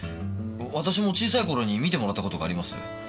私も小さい頃に診てもらった事があります。